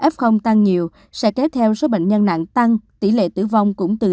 f tăng nhiều sẽ kế theo số bệnh nhân nặng tăng tỷ lệ tử vong cũng tự nhiên